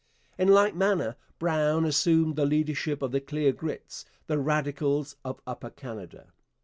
In like manner Brown assumed the leadership of the Clear Grits, the Radicals of Upper Canada.